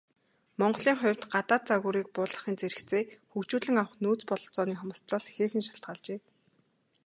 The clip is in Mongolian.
Монголын хувьд, гадаад загварыг буулгахын зэрэгцээ хөгжүүлэн авах нөөц бололцооны хомсдолоос ихээхэн шалтгаалжээ.